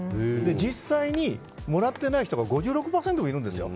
実際に、もらっていない人が５６％もいるんですよ。